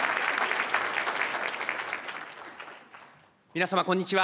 皆様こんにちは。